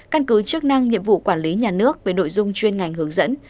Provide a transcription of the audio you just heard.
căn cứ chức năng nhiệm vụ quản lý nhà nước với đội dung chuyên ngành hướng dẫn